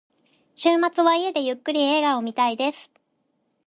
週末は家でゆっくり映画を見たいです。